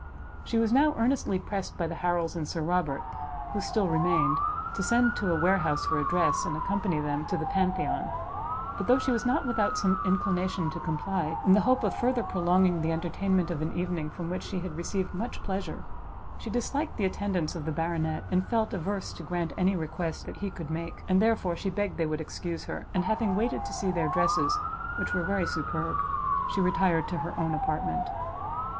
She was now earnestly pressed by the Harrels and Sir Robert, who still remained, to send to a warehouse for a dress, and accompany them to the Pantheon; but though she was not without some inclination to comply, in the hope of further prolonging the entertainment of an evening from which she had received much pleasure, she disliked the attendance of the Baronet, and felt averse to grant any request that he could make, and therefore she begged they would excuse her; and having waited to see their dresses, which were very superb, she retired to her own apartment.